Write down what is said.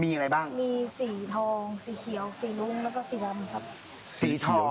มีสีทองสีเขียวสีรุ้งแล้วก็สีดำครับ